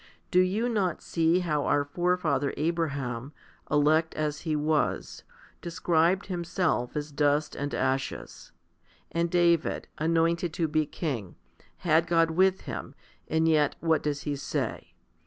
Do you not see how our forefather Abraham, elect as he was, described himself as dust and ashes, 1 and David, anointed to be king, had God with him, and yet what does he say